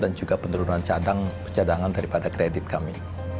dan juga penurunan cadangan daripada kredit kami